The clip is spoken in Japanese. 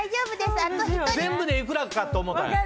全部で幾らかと思うたんや。